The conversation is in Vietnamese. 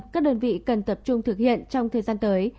các đơn vị cần tập trung thực hiện trong thời gian tới